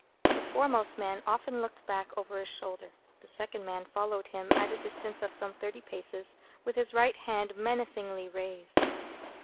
The foremost man often looked back over his shoulder. The second man followed him, at a distance of some thirty paces, with his right hand menacingly raised.